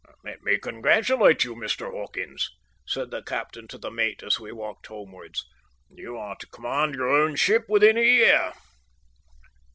"Let me congratulate you, Mr. Hawkins," said the captain to the mate as we walked homewards. "You are to command your own ship within the year."